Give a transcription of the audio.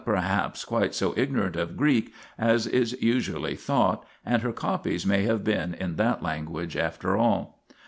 INTRODUCTION xxv perhaps, quite so ignorant of Greek as is usually thought, and her copies may have been in that language after all.